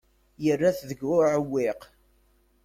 Yerra-t deg uɛewwiq.